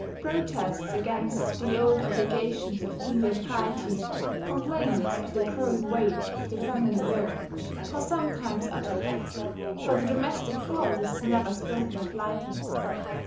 Protests against the old obligations of filial piety, complaints of the growing weight of the family yoke, are sometimes uttered; but the domestic cult is never spoken of lightly.